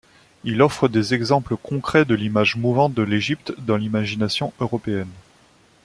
Il offre des exemples concrets de l'image mouvante de l'Égypte dans l'imagination européenne.